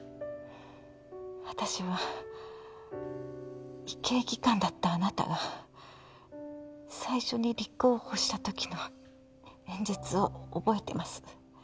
私は医系技官だったあなたが最初に立候補した時の演説を覚えてます